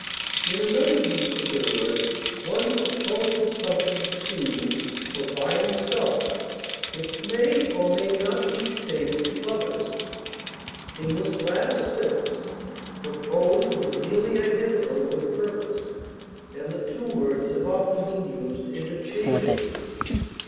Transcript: In another use of the word, one proposes something to or by himself which may or may not be stated to others. In this latter sense propose is nearly identical with purpose, and the two words have often been used interchangeably.